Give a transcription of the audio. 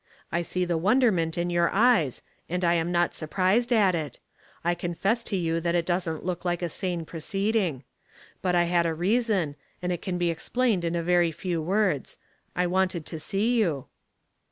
"I see the wonderment in your eyes, and I am not surprised at it. I confess to you that it doesn't look like a sane proceeding. But I had a reason, and it can be explained in a very few words. I wanted to see you."